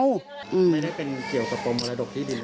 ไม่ได้เป็นเกี่ยวกับปมมรดกที่ดิน